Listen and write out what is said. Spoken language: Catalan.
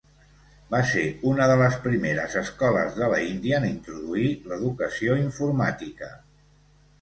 Va ser una de les primeres escoles de la India en introduir l'educació informàtica.